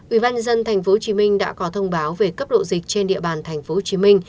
ubnd tp hcm đã có thông báo về cấp độ dịch trên địa bàn tp hcm